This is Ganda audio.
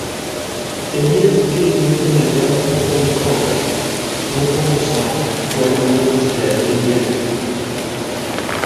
Emyezi giri egiwedde naddala ogw'omukaaga, n'ogwomusanvu gyabanga myezi gya byengera.